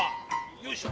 よいしょ。